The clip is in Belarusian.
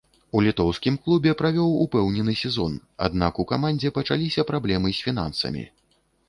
У літоўскім клубе правёў упэўнены сезон, аднак у камандзе пачаліся праблемы з фінансамі.